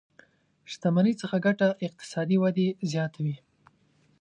شتمنۍ څخه ګټه اقتصادي ودې زياته وي.